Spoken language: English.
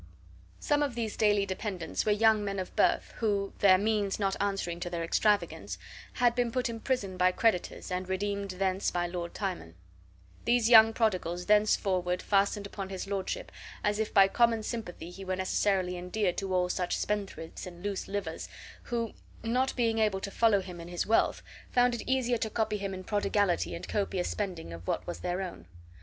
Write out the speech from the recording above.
Some of these daily dependents were young men of birth who (their means not answering to their extravagance) had been put in prison by creditors and redeemed thence by Lord Timon; these young prodigals thenceforward fastened upon his lordship, as if by common sympathy he were necessarily endeared to all such spendthrifts and loose livers, who, not being able to follow him in his wealth, found it easier to copy him in prodigality and copious spending of what was their own.